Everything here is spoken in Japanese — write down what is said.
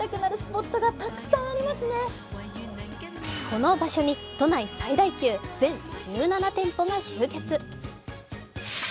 この場所に都内最大級全１７店舗が集結。